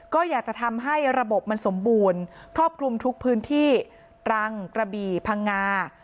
ก็อยากจะทำให้ระบบมันสมบูรณ์ครอบคลุมทุกพื้นที่ตรังกระบี่พังงา